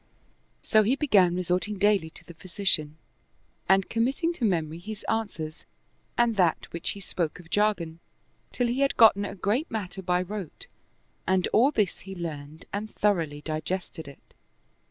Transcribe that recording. So he began resorting daily to the physician and committing to memory his answers and that which he spoke of jargon, till he had gotten a great matter by rote, and all this he learned and thoroughly digested it.